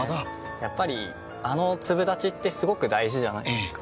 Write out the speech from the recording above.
やっぱりあの粒立ちってすごく大事じゃないですか。